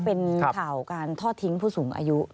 เป็นข่าวการทอดทิ้งผู้สูงอายุ